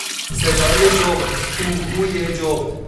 صدای جغد، هوهوی جغد